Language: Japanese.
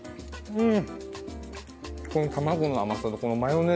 うん。